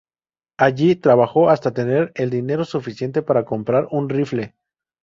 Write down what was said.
Allí, trabajó hasta tener el dinero suficiente para comprar un rifle.